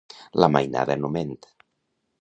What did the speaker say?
La mainada no ment.